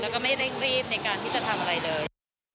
แล้วก็ไม่เร่งรีบในการที่จะทำอะไรเลย